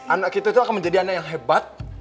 anak kita itu akan menjadi anak yang hebat